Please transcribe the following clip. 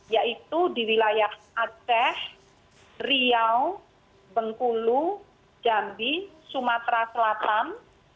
yaitu di wilayah aceh riau bengkulu jambi sumatera selatan